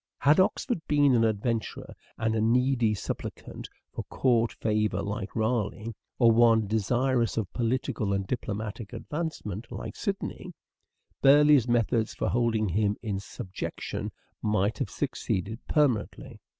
Had Oxford been an adventurer and a needy supplicant for court favour like Raleigh, or one desirous of political and diplomatic advancement like Sidney, Burleigh's methods for holding him in subjection might have succeeded permanently.